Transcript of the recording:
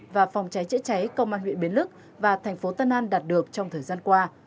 và phòng cháy chữa cháy công an huyện biến lức và thành phố tân an đạt được trong thời gian qua